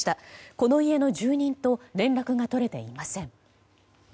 この家の住人と連絡が取れていません。